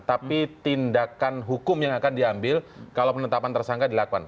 tapi tindakan hukum yang akan diambil kalau penetapan tersangka dilakukan